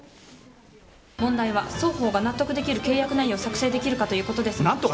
問題は双方が納得できる契約内容を作成できるかということです。